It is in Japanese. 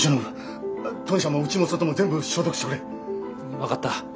分かった。